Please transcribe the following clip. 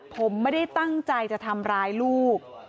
ผมไม่ได้ตั้งใจจะทำร้ายลูก